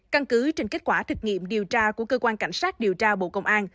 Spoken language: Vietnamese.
căn cứ trên kết quả thực nghiệm điều tra của cơ quan cảnh sát điều tra bộ công an